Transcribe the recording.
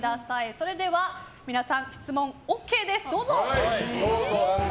それでは皆さん質問ＯＫですどうぞ！